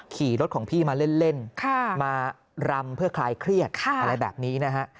ขี่รถของพี่มาเล่นมารำเพื่อคลายเครียดอะไรแบบนี้นะฮะ